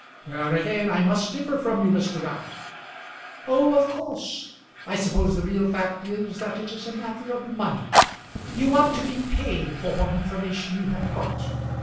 "There again, I must differ from you, Mr. Round." "Oh, of course! I suppose the real fact is, that it is a matter of money. You want to be paid for what information you have got.